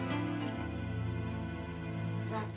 sebentar ya pak